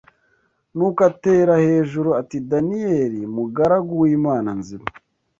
Nuko atera hejuru ati Daniyeli mugaragu w’Imana nzima